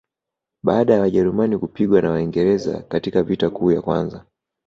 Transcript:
baada ya wajerumani kupigwa na waingereza katika vita kuu ya kwanza